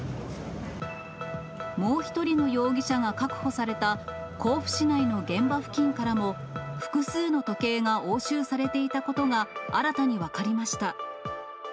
もう１人の容疑者が確保された甲府市内の現場付近からも、複数の時計が押収されていたことが、新たに分かりました。